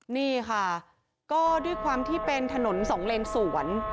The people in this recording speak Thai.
นี่ค่ะก็ด้วยความที่เป็นถนนสองเลนสวน